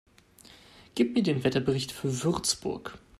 Gib mir den Wetterbericht für Würzburg